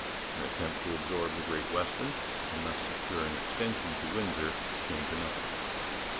An attempt to absorb the Great Western and thus secure an extension to Windsor came to nothing.